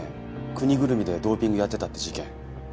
国ぐるみでドーピングやってたって事件。